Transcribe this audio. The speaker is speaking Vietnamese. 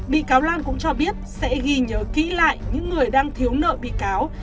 bị cáo lan cũng cho biết sẽ ghi nhớ kỹ lại những người đang thiếu nợ bị cáo